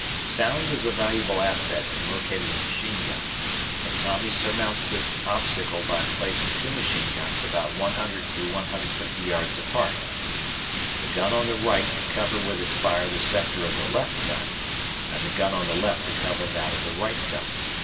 Sound is a valuable asset in locating a machine gun, but Tommy surmounts this obstacle by placing two machine guns about one hundred to one hundred fifty yards apart. The gun on the right to cover with its fire the sector of the left gun and the gun on the left to cover that of the right gun.